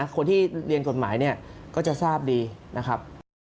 คนที่เรียนกฎหมายเนี่ยก็จะทราบดีนะครับ